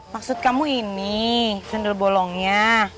maksud kamu ini cendol bolongnya